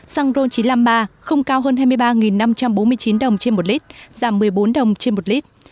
xăng ron chín trăm năm mươi ba không cao hơn hai mươi ba năm trăm bốn mươi chín đồng trên một lít giảm một mươi bốn đồng trên một lít